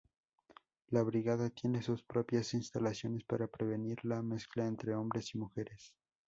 La brigada tiene sus propias instalaciones para prevenir la mezcla entre hombres y mujeres.